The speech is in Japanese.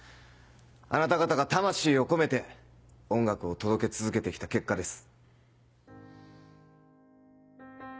あなた方が魂を込めて音楽を届け続けてきた結果です。